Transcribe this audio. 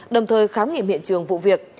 đồng thời khám nghiệm hiện trường vụ việc